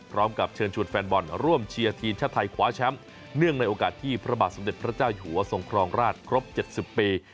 พร้อมกับเชิญชวนแฟนบอลร่วมเชียร์ทีมชาติไทยคว้าแชมป์เนื่องในโอกาสที่พระบาทสมเด็จพระเจ้าอยู่หัวทรงครองราชครบ๗๐ปี